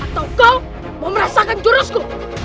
atau kau mau merasakan jurusku